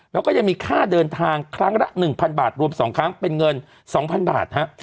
แล้วก็จะมีค่าเดินทางครั้งละหนึ่งพันบาทรวมสองครั้งเป็นเงินสองพันบาทฮะ